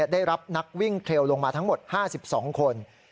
ได้รับนักวิ่งเคลลงมาทั้งหมด๕๒คน